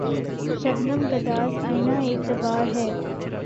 شبنم‘ گداز آئنۂ اعتبار ہے